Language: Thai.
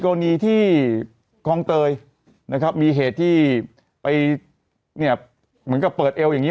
กรณีที่คลองเตยนะครับมีเหตุที่ไปเนี่ยเหมือนกับเปิดเอวอย่างนี้